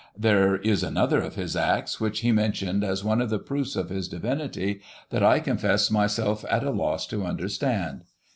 There is another of his acts, which he mentioned as one of the proofs of his Divinity, that I confess myself at a loss to tmderstand.